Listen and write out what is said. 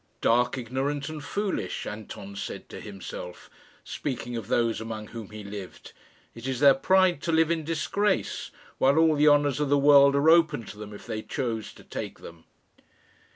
"Dark, ignorant, and foolish," Anton said to himself, speaking of those among whom he lived; "it is their pride to live in disgrace, while all the honours of the world are open to them if they chose to take them!"